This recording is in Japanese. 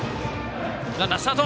ランナー、スタート。